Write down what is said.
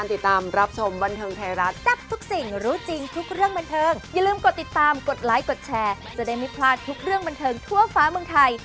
มีทั้งงานแสดงแล้วก็มีธุรกิจส่วนตัวด้วยเนอะ